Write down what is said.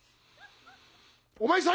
「お前さん